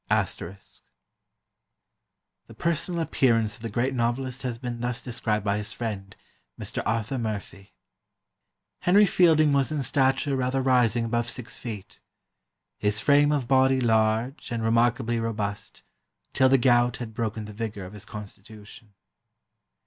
*] "The personal appearance of the great novelist has been thus described by his friend, Mr. Arthur Murphy: 'Henry Fielding was in stature rather rising above six feet; his frame of body large and remarkably robust, till the gout had broken the vigour of his constitution.